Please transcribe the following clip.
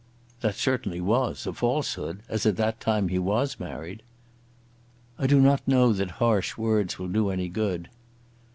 "That certainly was a falsehood, as, at that time, he was married." "I do not know that harsh words will do any good."